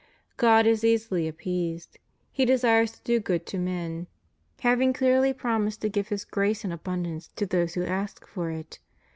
God is easily appeased. He desires to do good to men, having clearly promised to give His grace in abundance to those who ask for it.